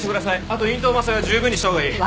あと咽頭麻酔は十分にしたほうがいい。